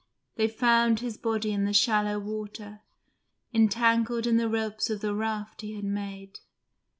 They found his body in the shallow water, entangled in the ropes of the raft he had made.